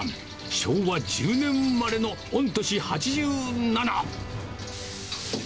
昭和１０年生まれの御年８７。